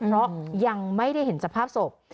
เพราะยังไม่ได้เห็นสภาพศพ